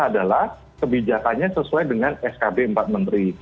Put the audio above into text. adalah kebijakannya sesuai dengan skb empat menteri